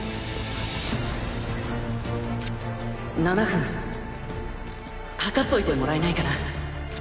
７分計っといてもらえないかな